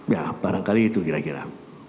ya barangkali itu kira kira